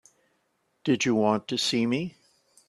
Did you want to see me?